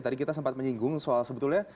tadi kita sempat menyinggung soal sebetulnya